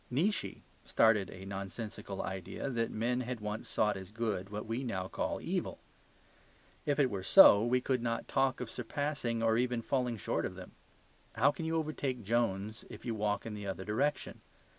Nietzsche started a nonsensical idea that men had once sought as good what we now call evil; if it were so, we could not talk of surpassing or even falling short of them. How can you overtake Jones if you walk in the other direction?